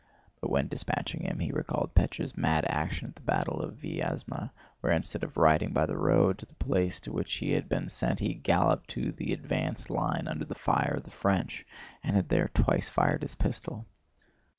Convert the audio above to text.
But when dispatching him he recalled Pétya's mad action at the battle of Vyázma, where instead of riding by the road to the place to which he had been sent, he had galloped to the advanced line under the fire of the French and had there twice fired his pistol.